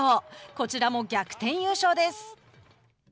こちらも逆転優勝です。